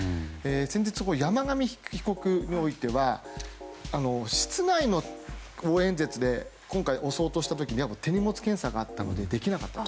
先日の山上被告においては室内の応援演説で今回襲おうとした時に手荷物検査があったのでできなかったと。